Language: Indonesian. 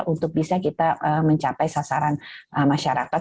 untuk bisa kita mencapai sasaran masyarakat